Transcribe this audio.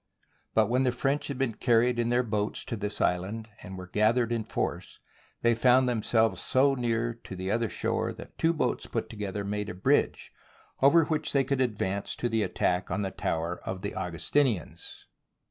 But when the French had been carried in their boats to this island, and were gathered in force, they found themselves so SIEGE OF ORLEANS near the other shore that two boats put together made a bridge over which they could advance to the attack on the Tower of the Augustinians.